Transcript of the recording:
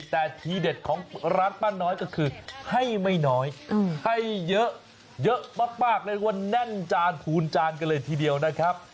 แต่ทีเด็ดของร้านป้าน้อยก็คือให้ไม่น้อยให้เยอะเยอะมากเรียกว่าแน่นจานพูนจานกันเลยทีเดียวนะครับ